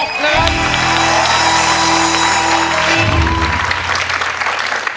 ๖นะครับ